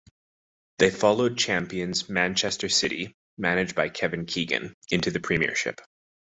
They followed champions Manchester City, managed by Kevin Keegan, into the Premiership.